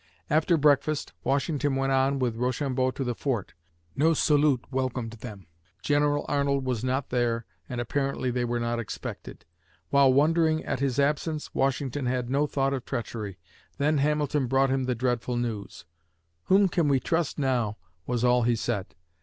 After breakfast, Washington went on with Rochambeau to the fort. No salute welcomed them. General Arnold was not there and apparently they were not expected. While wondering at his absence, Washington had no thought of treachery. Then Hamilton brought him the dreadful news. "Whom can we trust now?" was all he said.